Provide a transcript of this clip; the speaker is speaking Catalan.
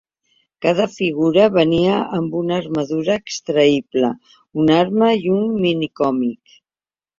Cada figura venia amb una armadura extraïble, una arma i un minicòmic.